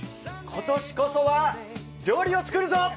今年こそは料理を作るぞ！